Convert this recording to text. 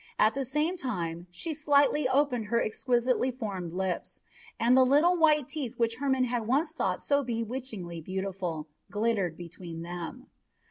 At the same time she slightly opened her exquisitely formed lips, and the little white teeth which Hermon had once thought so bewitchingly beautiful glittered between them.